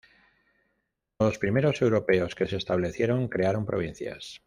Los primeros europeos que se establecieron crearon provincias.